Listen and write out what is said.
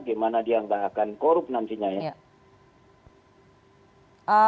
gimana dianggarkan korup nantinya ya